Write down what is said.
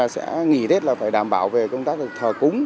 sẽ nghỉ tết là phải đảm bảo về công tác thờ cúng